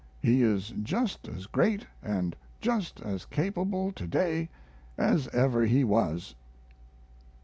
He is just as great & just as capable today as ever he was.